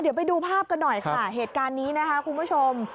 เดี๋ยวไปดูภาพกันหน่อยค่ะเหตุการณ์นี้นะคะคุณผู้ชม